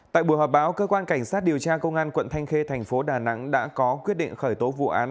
tại buổi họp báo cơ quan cảnh sát điều tra công an tp đà nẵng đã có quyết định khởi tố vụ án